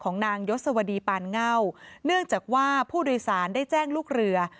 นางยศวดีปานเง่าเนื่องจากว่าผู้โดยสารได้แจ้งลูกเรือ